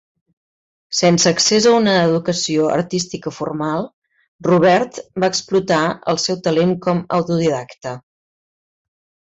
Sense accés a una educació artística formal, Robert va explotar el seu talent com autodidacta.